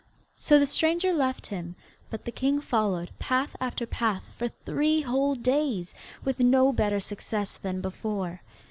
So the stranger left him, but the king followed path after path for three whole days, with no better success than before.